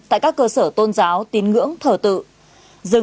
tại các cơ sở tôn giáo tín ngưỡng thờ tự